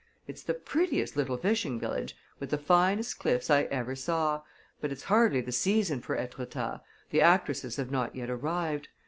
It's the prettiest little fishing village, with the finest cliffs I ever saw. But it's hardly the season for Etretat the actresses have not yet arrived.